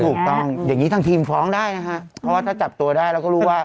ถูกต้องอย่างนี้ทั้งทีมคร้องได้ถ้าจับตัวได้เราก็รู้ว่า